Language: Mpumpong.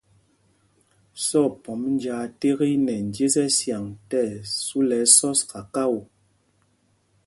Sɔkphɔmb njāā ték i nɛ njes ɛsyaŋ tí ɛsu lɛ ɛsɔs kakao.